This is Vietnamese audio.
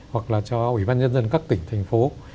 hoặc là cho ủy ban nhân dân các tỉnh thành phố